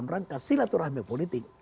yang ke silaturahmi politik